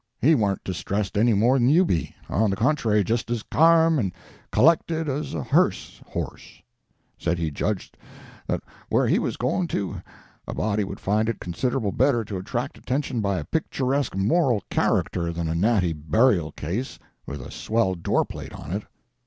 He warn't distressed any more than you be on the contrary just as carm and collected as a hearse horse; said he judged that wher' he was going to, a body would find it considerable better to attract attention by a picturesque moral character than a natty burial case with a swell doorplate on it.